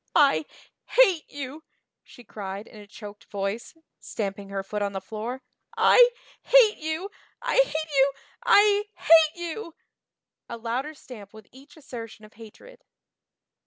"I hate you," she cried in a choked voice, stamping her foot on the floor. "I hate you I hate you I hate you " a louder stamp with each assertion of hatred.